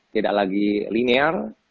tidak lagi linear